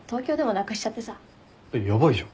えっヤバいじゃん。